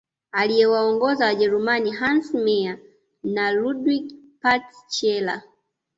Aliyewaongoza Wajerumani Hans Meyer na Ludwig Purtscheller